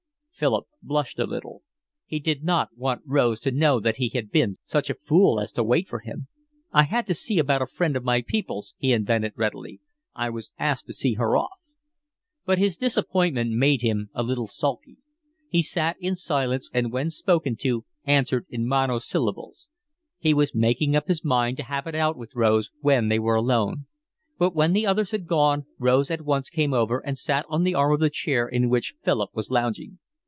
Philip blushed a little. He did not want Rose to know that he had been such a fool as to wait for him. "I had to see about a friend of my people's," he invented readily. "I was asked to see her off." But his disappointment made him a little sulky. He sat in silence, and when spoken to answered in monosyllables. He was making up his mind to have it out with Rose when they were alone. But when the others had gone Rose at once came over and sat on the arm of the chair in which Philip was lounging.